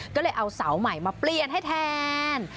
ก็เลยเอาเสาใหม่มาเปลี่ยนให้แทน